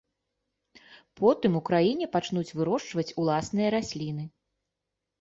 Потым у краіне пачнуць вырошчваць уласныя расліны.